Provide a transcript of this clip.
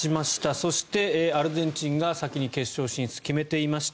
そしてアルゼンチンが先に決勝進出を決めていました。